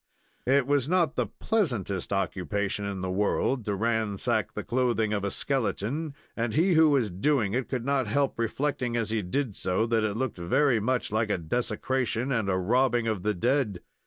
It was not the pleasantest occupation in the world to ransack the clothing of a skeleton, and he who was doing it could not help reflecting as he did so that it looked very much like a desecration and a robbing of the dead.